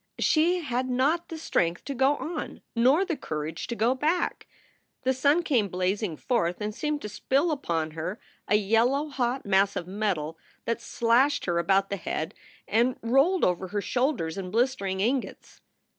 She had not the strength to go on, nor the courage to go back. The sun came blazing forth and seemed to spill upon her a yellow hot mass of metal that slashed her about the head and rolled over her shoulders in blistering ingots.